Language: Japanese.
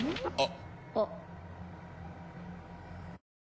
あっ。